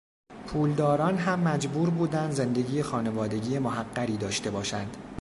پولداران هم مجبور بودند زندگی خانوادگی محقری داشته باشند.